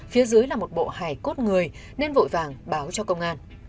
phía dưới là một bộ hài cốt người nên vội vàng báo cho công an